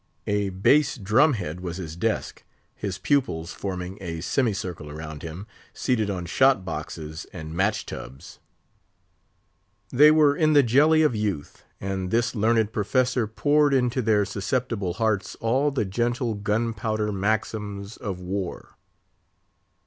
A bass drum head was his desk, his pupils forming a semicircle around him, seated on shot boxes and match tubs. They were in the jelly of youth, and this learned Professor poured into their susceptible hearts all the gentle gunpowder maxims of war.